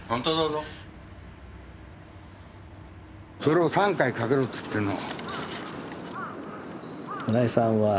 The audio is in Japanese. それを３回かけろつってんの。